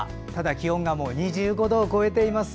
気温がもう２５度を超えています。